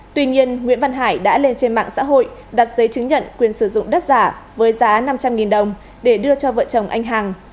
tuy nhiên nguyễn văn hải đã lên trên mạng xã hội đặt giấy chứng nhận quyền sử dụng đất giả với giá năm trăm linh đồng để đưa cho vợ chồng anh hằng